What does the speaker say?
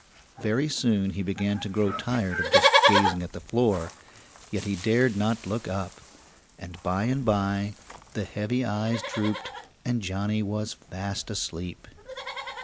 Very soon he began to grow tired of just gazing at the floor, yet he dared not look up, and by and by the heavy eyes drooped and Johnny was fast asleep.